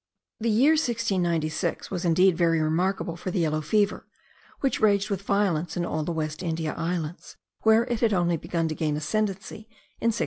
The year 1696 was indeed very remarkable for the yellow fever, which raged with violence in all the West India Islands, where it had only begun to gain an ascendancy in 1688.